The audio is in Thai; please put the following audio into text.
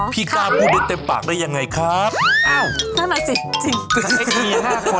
พี่กราบกูเด็ดเต็มปากได้ยังไงครับอ้าวนั่นไงสิจริง